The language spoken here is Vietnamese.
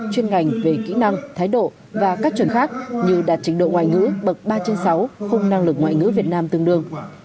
chuyên ngành về kỹ năng thái độ và các chuẩn khác như đạt trình độ ngoại ngữ bậc ba trên sáu khung năng lực ngoại ngữ việt nam tương đương